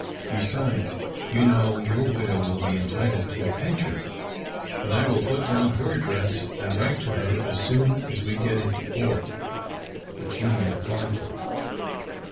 Besides, you know, your widow will be entitled to a pension, and I will put down her address and write to her as soon as we get into port, that she may apply for it."